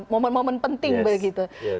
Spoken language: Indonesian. momen momen penting begitu